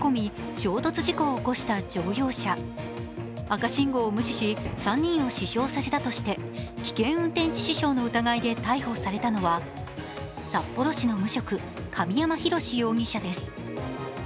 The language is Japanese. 赤信号を無視し、３人を死傷させたとして危険運転致死傷の疑いで逮捕されたのは札幌市の無職・神山大容疑者です。